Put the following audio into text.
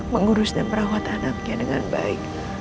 mengurus dan merawat anaknya dengan baik